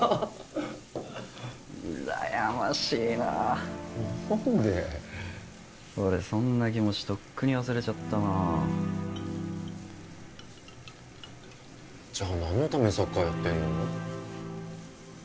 うらやましいななんで俺そんな気持ちとっくに忘れちゃったなじゃあ何のためにサッカーやってんの？